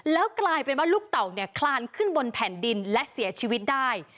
แล้วกลายเป็นว่าลูกเต่าเนี่ยคลานขึ้นบนแผ่นดินและเสียชีวิตได้